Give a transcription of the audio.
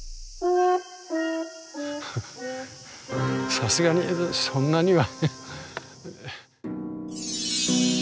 さすがにそんなには。